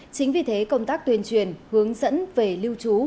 chính vì thế công tác tuyên truyền hướng dẫn về lưu trú